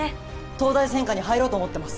東大専科に入ろうと思ってます